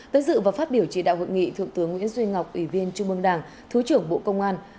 tới dự và phát biểu chỉ đạo hội nghị thượng tướng nguyễn duy ngọc ủy viên trung mương đảng thứ trưởng bộ công an